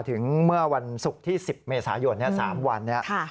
ถึงเมื่อวันศุกร์ที่๑๐เมษายน๓วันนี้